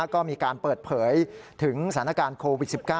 ก็มีการเปิดเผยถึงสถานการณ์โควิด๑๙